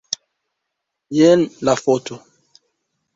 Jen la foto.